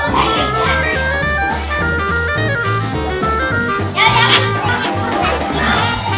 วันนี้เท่าไรขยับ